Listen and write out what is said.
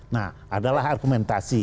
nah adalah argumentasi